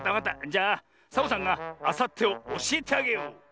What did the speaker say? じゃあサボさんがあさってをおしえてあげよう。